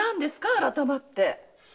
改まって。